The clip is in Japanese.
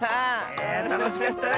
いやたのしかったな！